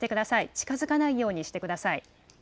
近づかないようにしてください。